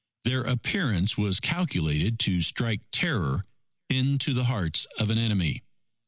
Their appearance was calculated to strike terror into the hearts of an enemy.